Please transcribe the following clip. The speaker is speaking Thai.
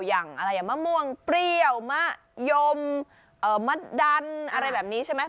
อย่างอะไรอย่างมะม่วงเปรี้ยวมะยมมะดันอะไรแบบนี้ใช่ไหม